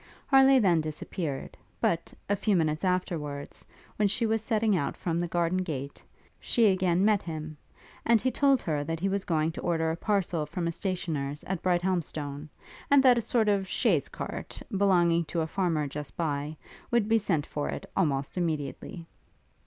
Harleigh then disappeared; but, a few minutes afterwards, when she was setting out from the garden gate, she again met him, and he told her that he was going to order a parcel from a stationer's at Brighthelmstone; and that a sort of chaise cart, belonging to a farmer just by, would be sent for it, almost immediately.